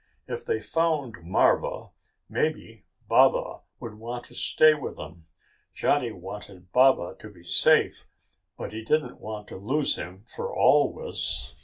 If they found marva, maybe Baba would want to stay with them! Johnny wanted Baba to be safe, but he didn't want to lose him for always.